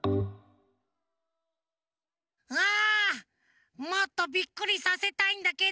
あもっとビックリさせたいんだけど。